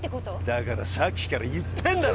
だからさっきから言ってんだろ！